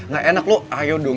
saya mau lanjut ke which is